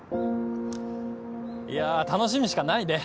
いや楽しみしかないね！